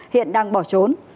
hiện đang bỏ trốn